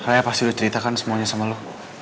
raya pasti udah ceritakan semuanya sama lo